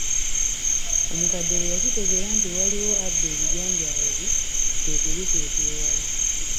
Omukadde bwe yakitegeera nti waliwo abba ebijanjaalo bye kwe kubikweka ewala.